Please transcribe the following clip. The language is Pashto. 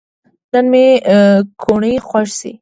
نن مې کوڼۍ خوږ شي